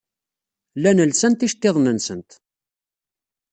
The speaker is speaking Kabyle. Llant lsant iceḍḍiḍen-nsent.